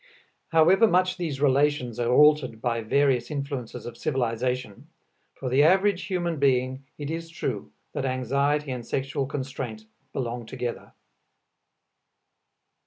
However much these relations are altered by various influences of civilization, for the average human being it is true that anxiety and sexual constraint belong together.